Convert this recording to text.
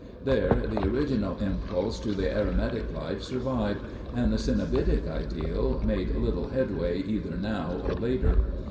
There " the original impulse to the erem itic life survived, and the cenobitic ideal made little headway either now or later.